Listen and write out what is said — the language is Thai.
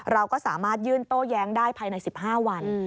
เราก็สามารถยื่นโต้แย้งได้ภายใน๑๕วัน